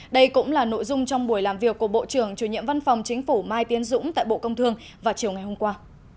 đây cũng là nội dung trong buổi làm việc của bộ trưởng chủ nhiệm văn phòng chính phủ mai tiến dũng tại bộ công thương vào chiều ngày hôm qua